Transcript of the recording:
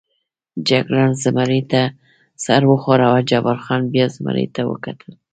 جګړن زمري ته سر و ښوراوه، جبار خان بیا زمري ته وکتل.